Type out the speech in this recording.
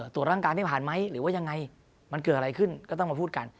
ตรวจร่างกายได้ผ่านไหมหรือว่ายังไงมันเกิดอะไรขึ้นก็ต้องมาพูดกัน